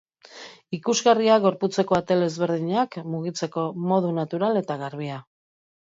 Ikusgarria gorputzeko atal ezberdinak mugitzeko modu natural eta garbia.